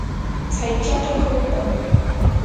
tsay chakra hukpam.